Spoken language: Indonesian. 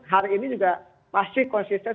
hari ini juga pasti konsisten